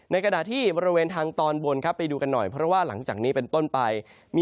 ในกระดาษที่บริเวณทางตอนบนไปดูกันหน่อย